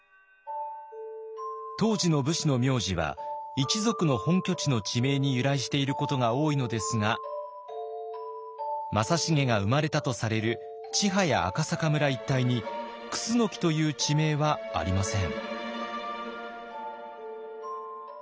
当時の武士の名字は一族の本拠地の地名に由来していることが多いのですが正成が生まれたとされる千早赤阪村一帯に「楠木」という地名はありません。